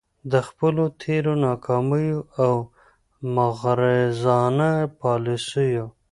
د خپلو تیرو ناکامو او مغرضانه يالیسیو